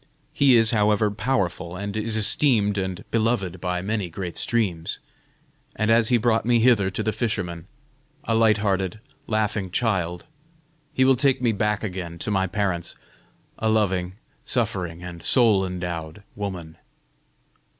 He is, however, powerful, and is esteemed and beloved by many great streams; and as he brought me hither to the fisherman, a light hearted, laughing child, he will take me back again to my parents, a loving, suffering, and soul endowed woman."